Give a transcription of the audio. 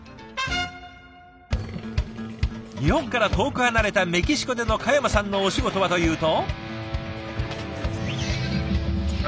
日本から遠く離れたメキシコでの嘉山さんのお仕事はというと。